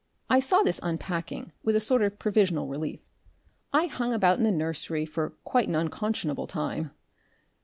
I saw this unpacking with a sort of provisional relief. I hung about in the nursery for quite an unconscionable time....